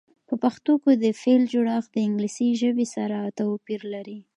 په پښتو کې د فعل جوړښت د انګلیسي ژبې سره توپیر لري.